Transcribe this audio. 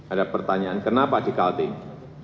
ada pertanyaan kenapa di kalting